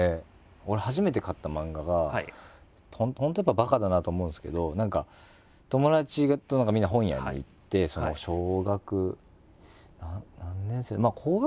俺初めて買った漫画が本当ばかだなと思うんですけど何か友達とみんな本屋に行って小学何年生高学年ぐらいかな？